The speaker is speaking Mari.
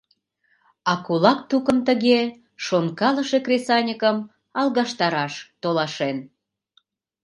А кулак тукым тыге шонкалыше кресаньыкым алгаштараш толашен.